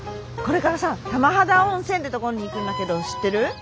これからさ玉肌温泉って所に行くんだけど知ってる？